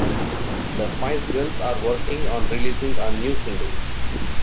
The Spice Girls are working on releasing a new single.